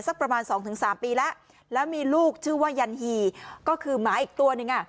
สักประมาณสองถึงสามปีแล้วแล้วมีลูกชื่อว่ายันหี่ก็คือหมาอีกตัวหนึ่งอ่ะ